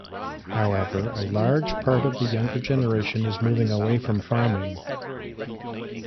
However, a large part of the younger generation is moving away from farming.